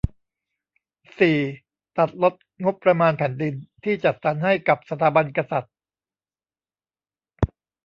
สี่ ตัดลดงบประมาณแผ่นดินที่จัดสรรให้กับสถาบันกษัตริย์